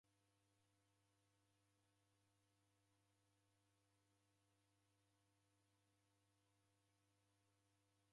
Uja mka w'aw'eburua masaka mbuw'enyi didiwi